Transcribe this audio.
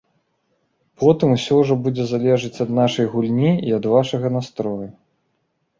Потым ужо ўсё будзе залежаць ад нашай гульні і ад вашага настрою.